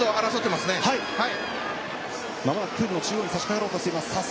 まもなくプールの中央に差しかかろうとしています。